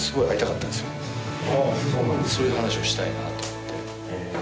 そういう話をしたいなと思って。